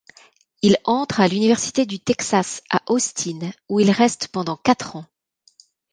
Il entre à l'université du Texas à Austin où il reste pendant quatre ans.